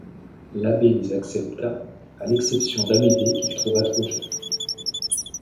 L’abbé les accepta, à l’exception d’Amédée qu’il trouva trop jeune.